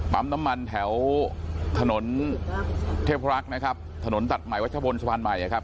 น้ำมันแถวถนนเทพรักษ์นะครับถนนตัดใหม่วัชบนสะพานใหม่นะครับ